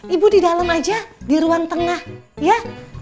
ibu di dalam aja di ruang tengah ya